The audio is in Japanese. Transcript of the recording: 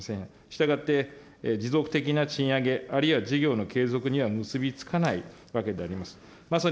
したがって、持続的な賃上げ、あるいは事業の継続には結び付かないわけであります。